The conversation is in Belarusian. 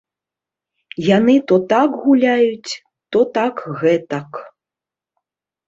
Яны то так гуляюць, то так гэтак.